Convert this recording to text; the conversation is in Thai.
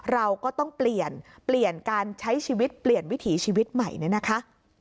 เราก็ต้องเปลี่ยนเปลี่ยนการใช้ชีวิตเปลี่ยนวิถีชีวิตใหม่เนี่ยนะคะ